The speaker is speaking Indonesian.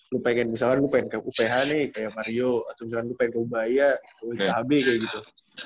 lu pengen misalnya gue pengen ke uph nih kayak mario atau misalnya gue pengen ke ubaya ke ithb kayak gitu